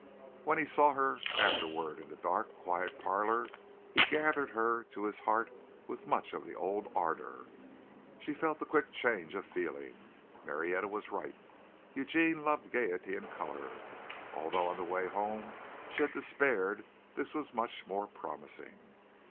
When he saw her afterward in the dark, quiet parlor, he gathered her to his heart with much of the old ardour. She felt the quick change of feeling. Marietta was right. Eugene loved gaiety and color. Although on the way home she had despaired this was much more promising.